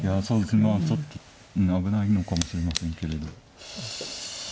そうですねまあちょっと危ないのかもしれませんけれど。